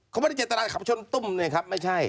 เขาไม่ได้เจตนาขับชนตุ้มเนี่ยครับไม่ใช่